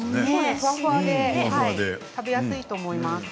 ふわふわで食べやすいと思います。